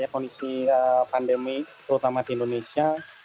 kondisi pandemi terutama di indonesia